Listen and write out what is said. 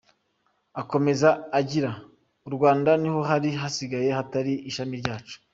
Akomeza agira “U Rwanda niho hari hasigaye hatari ishami ryacu.